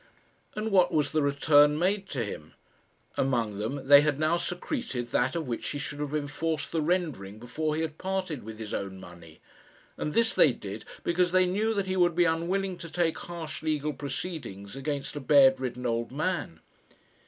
And what was the return made to him? Among them they had now secreted that of which he should have enforced the rendering before he had parted with his own money; and this they did because they knew that he would be unwilling to take harsh legal proceedings against a bed ridden old man!